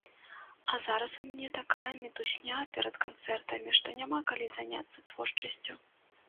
А зараз у мяне такая мітусня перад канцэртамі, што няма калі заняцца творчасцю.